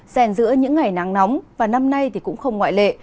dèn giữa những ngày nắng nóng và năm nay cũng không ngoại lệ